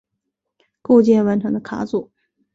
构建完成的卡组。